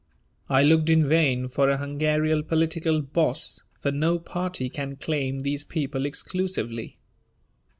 I looked in vain for a Hungarian political "boss," for no party can claim these people exclusively.